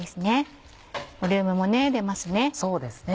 ボリュームも出ますね。